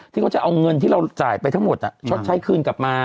ที่เขาจะเอาเงินที่เราจ่ายไปทั้งหมดชดใช้คืนกลับมา